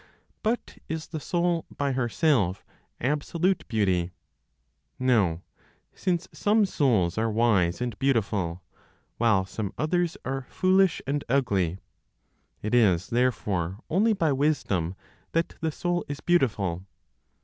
But is the soul, by herself, absolute beauty? No, since some souls are wise and beautiful, while some others are foolish and ugly. It is therefore only by wisdom that the soul is beautiful.